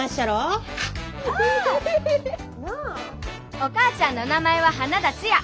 お母ちゃんの名前は花田ツヤ。